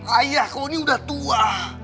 ayah kau ini sudah tua